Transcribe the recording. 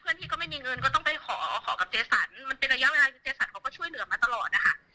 พี่ก็ไม่มีเงินก็ต้องไปขอขอกับเจสันมันเป็นระยะเวลาคือเจสันเขาก็ช่วยเหลือมาตลอดนะคะ